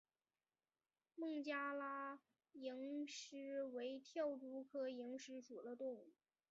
孟加拉蝇狮为跳蛛科蝇狮属的动物。